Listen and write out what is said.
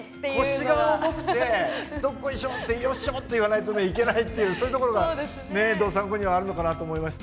腰が重くてどっこいしょってよいしょって言わないとね行けないっていうそういうところがどさんこにはあるのかなと思いました。